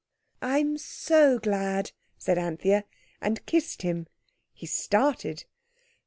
"I'm so glad," said Anthea, and kissed him. He started.